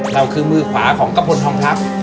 เราคือมือขวาของกระพลทองทัพ